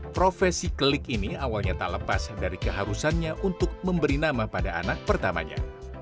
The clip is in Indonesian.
profesi klik ini awalnya tak lepas dari keharusannya untuk memberi nama pada anak pertamanya